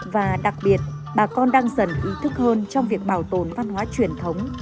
và đặc biệt bà con đang dần ý thức hơn trong việc bảo tồn văn hóa truyền thống